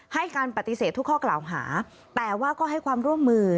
ให้การปฏิเสธทุกข้อกล่าวหาแต่ว่าก็ให้ความร่วมมือ